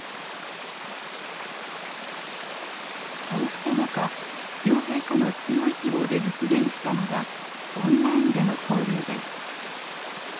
そうした中両陛下の強い希望で実現したのがオンラインでの交流です。